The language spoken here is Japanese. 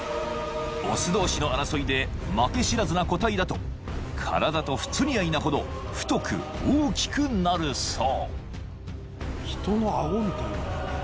［雄同士の争いで負け知らずな固体だと体と不釣り合いなほど太く大きくなるそう］